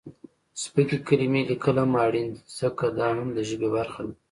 سپکې کلمې لیکل هم اړین دي ځکه، دا هم د ژبې برخه ده.